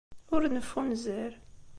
Ur neffunzer.